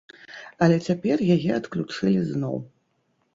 Але цяпер яе адключылі зноў.